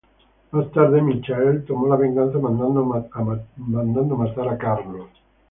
Más tarde, Michael tomó la venganza mandando a matar a Carlo.